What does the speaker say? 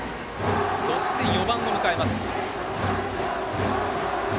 そして、４番を迎えます。